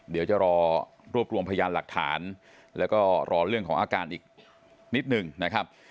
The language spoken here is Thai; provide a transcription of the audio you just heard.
เดี๋ยวจะรอรวบรวมพยานหลักฐานแล้วก็รอเรื่องของอาการอีกนิดหนึ่งนะครับ